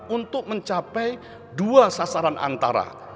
untuk mencapai dua sasaran antara